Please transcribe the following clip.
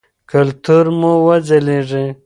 کلتور مو وځلیږي.